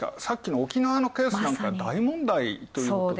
さっきの沖縄のケースなんか、まさに大問題となる。